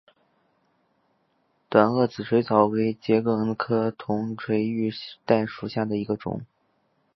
短萼紫锤草为桔梗科铜锤玉带属下的一个种。